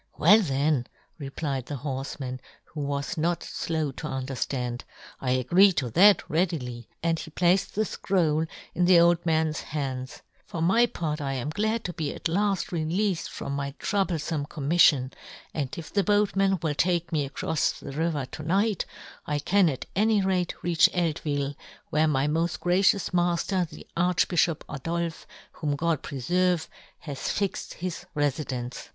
" Well then," replied the horfeman, who was not flow to underftand, " I agree to that " readily," and he placed the fcroll in the old man's hands. " For my " part I am glad to be at laft releafed " from my troublefome commiffion, " and if the boatman will take me " acrofs the river to night, I can at " any rate reach Eltvil, where my yohn Gutenberg. 103 " moft gracious mafter, the Arch " bifliop Adolfe, whom God preferve, " has fixed his refidence."